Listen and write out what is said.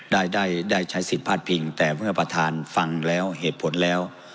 ได้ได้ใช้สิทธิ์พาดพิงแต่เมื่อประธานฟังแล้วเหตุผลแล้ว